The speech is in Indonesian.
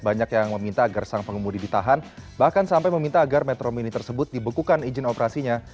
banyak yang meminta agar sang pengemudi ditahan bahkan sampai meminta agar metro mini tersebut dibekukan izin operasinya